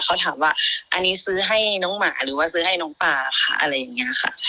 เขาถามว่าอันนี้ซื้อให้น้องหมาหรือว่าซื้อให้น้องปลาค่ะ